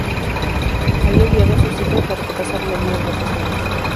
Había enviado a sus hijas para que pasaran allí las vacaciones.